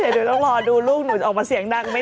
เดี๋ยวต้องรอดูลูกหนูออกมาเสียงดังไหม